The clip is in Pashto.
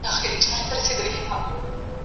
ما ښه مه کړې، ماپه ښو خلگو واده کړې.